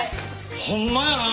ホンマやな。